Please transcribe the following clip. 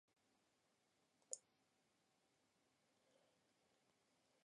Projekta mērķis bija nodrošināt praktisku apmācību studentiem.